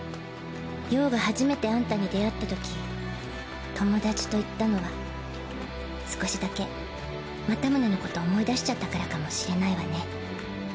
葉が初めてアンタに出会ったとき友達と言ったのは少しだけマタムネのこと思い出しちゃったからかもしれないわね。